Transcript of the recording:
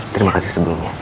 terima kasih sebelumnya